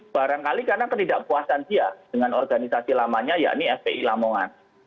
barangkali karena ketidakpuasan dia dengan organisasi lamanya yakni fpi lamongan